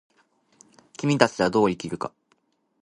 君たちはどう生きるか。